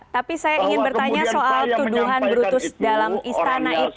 tapi saya ingin bertanya soal tuduhan brutus dalam istana itu